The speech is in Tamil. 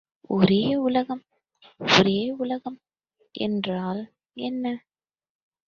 ஒரே உலகம் ஒரே உலகம் என்றால் என்ன?